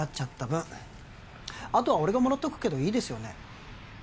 分あとは俺がもらっとくけどいいですよね